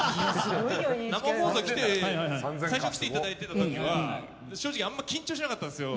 生放送に最初来ていただいてた時は正直、あんまり緊張しなかったんですよ。